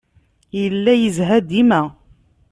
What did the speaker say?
Yella yezha dima.